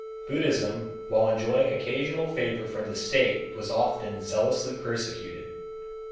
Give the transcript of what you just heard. Buddhism while enjoying occasional favor from the state was often zealously persecuted.